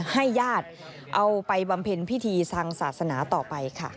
ญาติเอาไปบำเพ็ญพิธีทางศาสนาต่อไปค่ะ